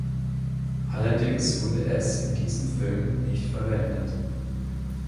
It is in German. Allerdings wurde es in diesem Film nicht verwendet.